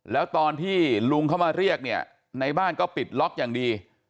แล้วตอนที่ลุงเข้ามาเรียกเนี่ยในบ้านก็ปิดล็อกอย่างดี